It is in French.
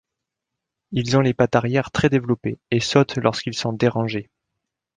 Ils ont les pattes arrière très développées et sautent lorsqu'ils sont dérangés.